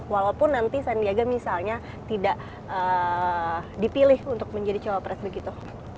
walaupun nanti sandiaga misalnya tidak dipilih untuk menjadi cawapres begitu